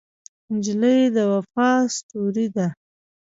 نجلۍ د وفا ستورې ده.